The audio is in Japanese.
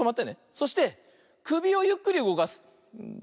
そしてくびをゆっくりうごかす。